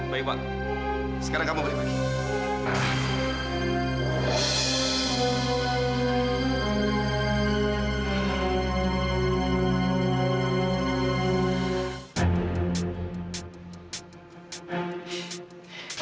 baik pak sekarang kamu boleh pergi